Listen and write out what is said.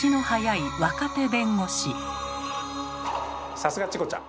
さすがチコちゃん。